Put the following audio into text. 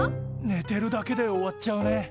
ねてるだけで終わっちゃうね。